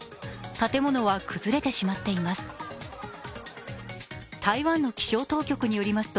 建物は崩れてしまっています。